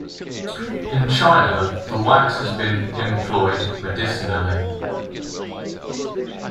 In China the wax has been employed medicinally.